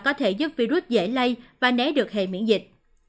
có thể giúp virus dễ lây và né được hệ miễn dịch